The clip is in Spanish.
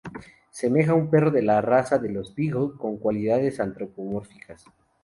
Semeja un perro de la raza de los Beagle, con cualidades antropomórficas.